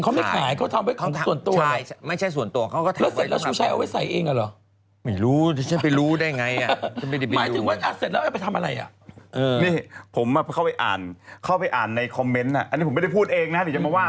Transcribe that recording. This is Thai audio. ต้องไปถ่ายแล้วใครจะซื้อต่อรู้สึกเขาเขาไม่ไม่ขายเขาทำ